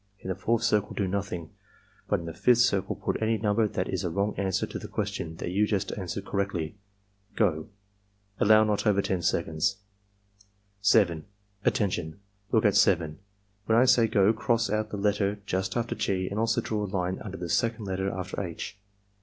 In the fourth circle do nothing, but in the fifth circle put any number that is a wrong answer to the question that you just answered correctly. — Go!" (Allow not over 10 seconds.) 7. "Attention! Look at 7. When I say 'go' cross out the letter just after G and also draw a line under the second letter after H.